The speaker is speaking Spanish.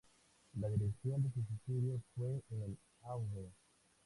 La dirección de sus estudios, fue en Av.